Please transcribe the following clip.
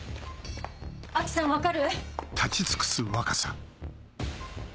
安芸さん分かる？